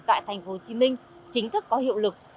tại thành phố hồ chí minh chính thức có hiệu lực